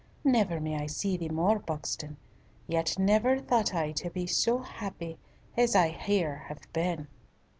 Never may I see thee more, Buxton, yet never thought I to be so happy as I have here been."